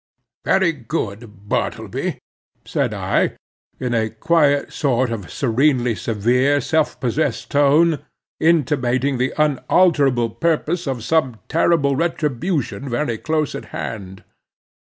"Very good, Bartleby," said I, in a quiet sort of serenely severe self possessed tone, intimating the unalterable purpose of some terrible retribution very close at hand.